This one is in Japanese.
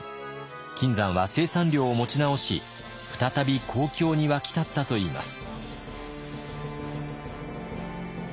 金山は生産量を持ち直し再び好況に沸き立ったといいます。